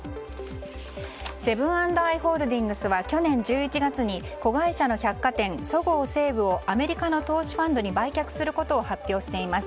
セブン＆アイ・ホールディングスは去年１１月に子会社の百貨店そごう・西武をアメリカの投資ファンドに売却することを発表しています。